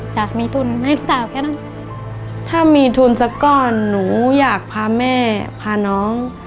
อยากมีทุนให้ลูกสาวแค่นั้นถ้ามีทุนสักก้อนหนูอยากพาแม่พาน้อง